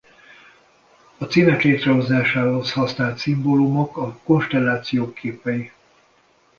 A címek létrehozásához használt szimbólumok a konstellációk képei.